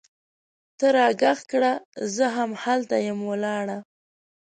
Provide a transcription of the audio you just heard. ته را ږغ کړه! زه هم هلته یم ولاړه